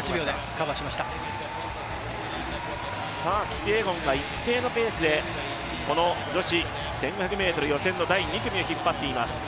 キピエゴンが一定のペースで女子１５００ｍ予選の第２組を引っ張っています。